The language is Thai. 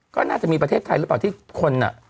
ก็น่าจะมีประเทศไทยหรือเปล่าที่คนอ่ะ